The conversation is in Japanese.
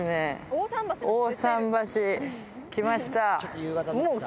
大さん橋来ました。